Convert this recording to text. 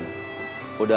udah gak ada